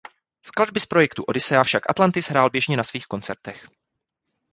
Skladby z projektu "Odyssea" však Atlantis hrál běžně na svých koncertech.